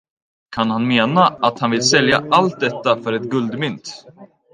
Kan han mena, att han vill sälja allt detta för ett guldmynt?